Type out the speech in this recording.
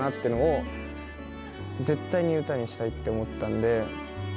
いうのを絶対に歌にしたいって思ったんで。